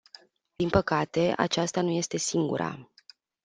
Din păcate, aceasta nu este singura.